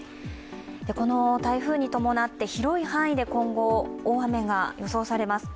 この台風に伴って広い範囲で今後、大雨が予想されます。